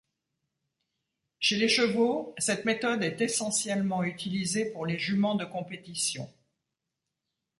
Chez les chevaux, cette méthode est essentiellement utilisée pour les juments de compétition.